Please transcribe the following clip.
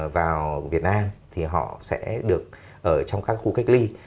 vào việt nam thì họ sẽ được ở trong các khu cách ly